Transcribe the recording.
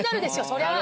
そりゃあ。